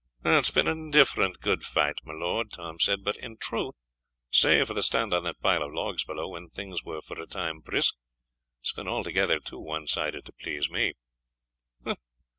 "It has been an indifferent good fight, my lord," Tom said; "but in truth, save for the stand on that pile of logs below, when things were for a time brisk, it has been altogether too one sided to please me."